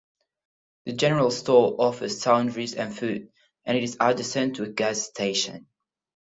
The General Store offers sundries and food, and is adjacent to a gas station.